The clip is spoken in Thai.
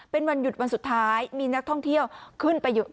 เป็นวันหยุดวันสุดท้ายมีนักท่องเที่ยวขึ้นไปเยอะ